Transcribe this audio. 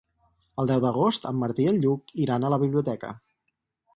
El deu d'agost en Martí i en Lluc iran a la biblioteca.